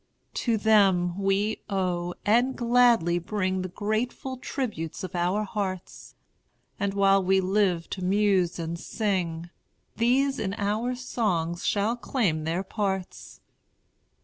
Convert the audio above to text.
To them we owe and gladly bring The grateful tributes of our hearts; And while we live to muse and sing, These in our songs shall claim their parts.